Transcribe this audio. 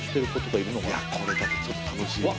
いやこれちょっと楽しいもん。